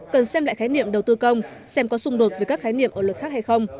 cần xem lại khái niệm đầu tư công xem có xung đột với các khái niệm ở luật khác hay không